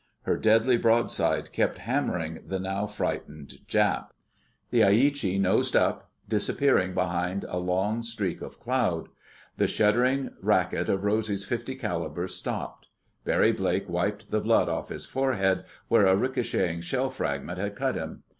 Her deadly broadside kept hammering the now frightened Jap. The Aichi nosed up, disappearing behind a long streak of cloud. The shuddering racket of Rosy's .50 calibers stopped. Barry Blake wiped the blood off his forehead, where a ricocheting shell fragment had cut him.